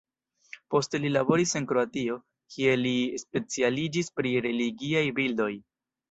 Poste li laboris en Kroatio kie li specialiĝis pri religiaj bildoj.